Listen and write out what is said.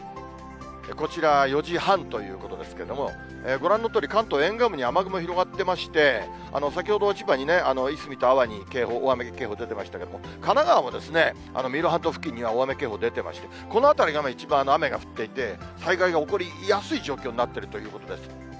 こちら、４時半ということですけれども、ご覧のとおり、関東沿岸部で雨雲広がってまして、先ほど千葉にね、夷隅と安房に警報大雨警報出てましたけれども、神奈川も三浦半島付近には大雨警報出ていまして、この辺り、画面、一番雨が降っていて、災害が起こりやすい状況になっているということです。